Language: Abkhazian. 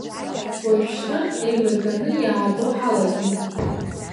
Уажәшьҭа еилырганы иаабо ҳалагеит…